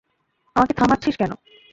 আমাকে থামাচ্ছিস কেন?